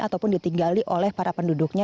ataupun ditinggali oleh para penduduknya